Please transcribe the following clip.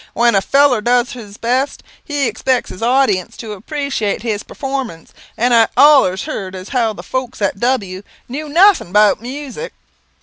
"When a fellow does his best, he expects his audience to appreciate his performance; but I allers he'rd as how the folks at W knew nothing about music."